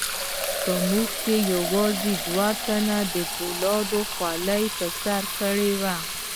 په موږ کې یوازې دوو تنو د فولادو خولۍ په سر کړې وې.